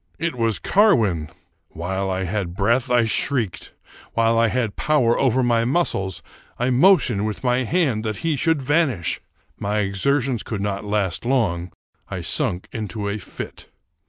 It was Carwin ! While I had breath, I shrieked. While I had power over my muscles, I motioned with my hand that he should van ish. My exertions could not last long: I sunk into a fit.